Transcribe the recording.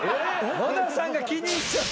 野田さんが気に入っちゃって。